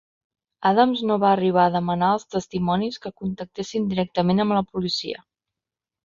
Adams no va arribar a demanar als testimonis que contactessin directament amb la policia.